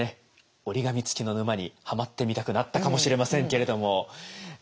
折り紙つきの沼にはまってみたくなったかもしれませんけれども。